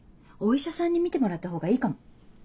お医者さんに診てもらった方がいいかも。